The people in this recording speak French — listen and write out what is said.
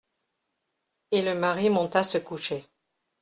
Et le mari monta se coucher.